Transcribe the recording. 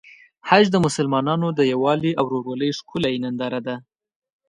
حج د مسلمانانو د یووالي او ورورولۍ ښکلی ننداره ده.